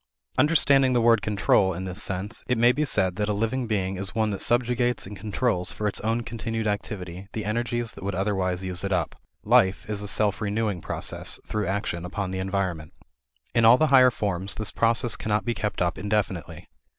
Understanding the word "control" in this sense, it may be said that a living being is one that subjugates and controls for its own continued activity the energies that would otherwise use it up. Life is a self renewing process through action upon the environment. In all the higher forms this process cannot be kept up indefinitely.